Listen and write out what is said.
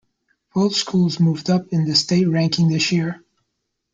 Both schools moved up in the state ranking this year.